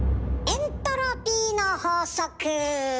エントロピーの法則？